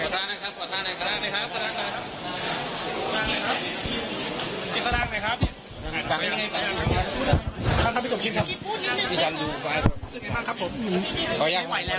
ถามสมมติให้ได้